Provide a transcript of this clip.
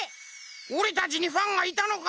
おれたちにファンがいたのか？